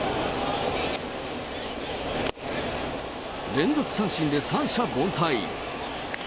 連続三振で三者凡退。